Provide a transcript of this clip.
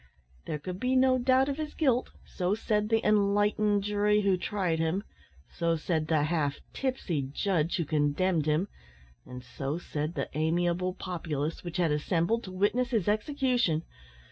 There could be no doubt of his guilt; so said the enlightened jury who tried him; so said the half tipsy judge who condemned him; and so said the amiable populace which had assembled to witness his execution.